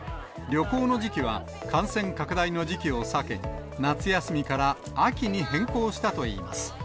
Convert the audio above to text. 旅行の時期は感染拡大の時期を避け、夏休みから秋に変更したといいます。